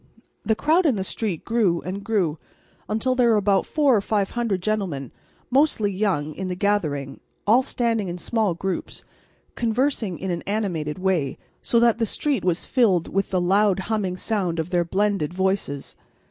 The crowd in the street grew and grew until there were about four or five hundred gentlemen, mostly young, in the gathering, all standing in small groups, conversing in an animated way, so that the street was filled with the loud humming sound of their blended voices.